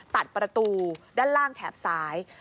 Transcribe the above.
ตัดประตูด้านล่างแถบซ้าย